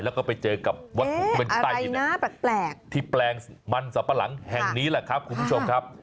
แล้วก็ไปเจอกับวัตถุที่เป็นใต้ดินที่แปลงมันสับปะหลังแห่งนี้แหละครับคุณผู้ชมครับ